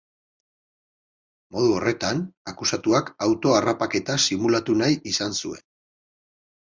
Modu horretan, akusatuak auto-harrapaketa simulatu nahi izan zuen.